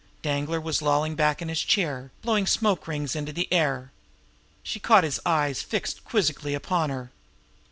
Danglar was lolling back in his chair, blowing smoke rings into the air. She caught his eyes fixed quizzically upon her.